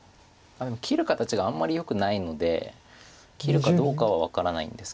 でも切る形があんまりよくないので切るかどうかは分からないんですけど。